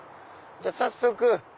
じゃ早速。